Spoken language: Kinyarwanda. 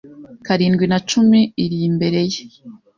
Karindwi na cumi iri imbere ye